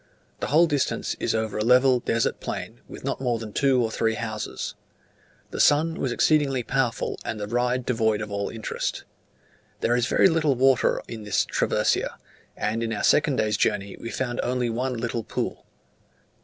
The whole distance is over a level desert plain, with not more than two or three houses. The sun was exceedingly powerful, and the ride devoid of all interest. There is very little water in this "traversia," and in our second day's journey we found only one little pool.